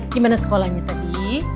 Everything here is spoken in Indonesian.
gimana sekolahnya tadi